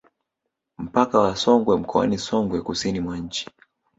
Mpaka wa Songwe mkoani Songwe kusini mwa nchi